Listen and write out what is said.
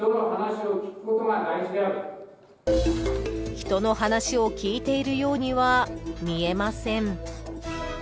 ［人の話を聞いているようには見えません］